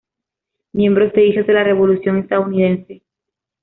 Miembro de Hijas de la Revolución Estadounidense.